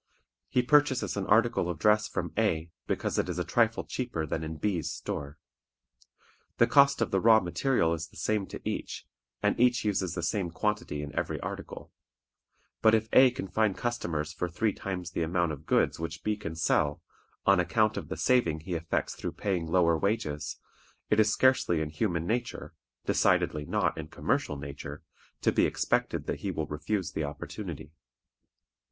He purchases an article of dress from A, because it is a trifle cheaper than in B's store. The cost of the raw material is the same to each, and each uses the same quantity in every article; but if A can find customers for three times the amount of goods which B can sell, on account of the saving he effects through paying lower wages, it is scarcely in human nature, decidedly not in commercial nature, to be expected that he will refuse the opportunity.